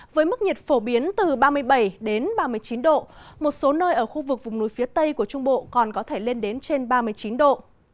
với mức nhiệt phổ biến từ ba mươi bảy ba mươi chín độ một số nơi ở khu vực vùng núi phía tây của trung bộ còn có thể lên đến trên ba mươi chín độ